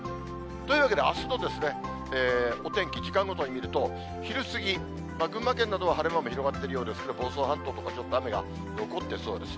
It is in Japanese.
というわけで、あすのお天気、時間ごとに見ると、昼過ぎ、群馬県などは晴れ間も広がっているようですが、房総半島とかちょっと雨が残ってそうです。